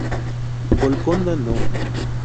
Golconda No.